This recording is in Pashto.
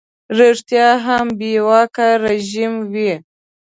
ریشتیا هم بې واکه رژیم وي.